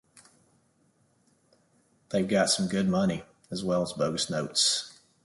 They've got some good money, as well as bogus notes.